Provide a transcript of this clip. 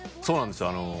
そうなんですよ。